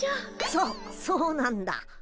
そそうなんだ。